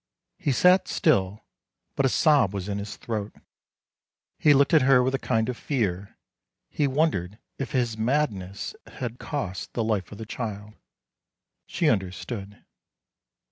He sat still, but a sob was in his throat. He looked at her with a kind of fear. He wondered if his mad ness had cost the life of the child. She understood.